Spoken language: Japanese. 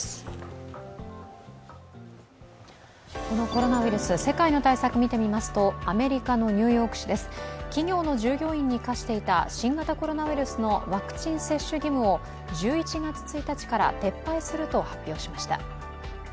コロナウイルス、世界の対策を見てみますとアメリカのニューヨーク市です、企業の従業員に課していた新型コロナウイルスのワクチン接種義務を１１月１日から撤廃すると発表しました。